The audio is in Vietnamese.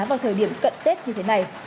vào thời điểm cận tết như thế này